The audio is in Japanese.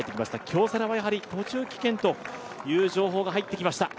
京セラは途中棄権という情報が入ってきました。